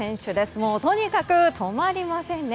もう、とにかく止まりませんね。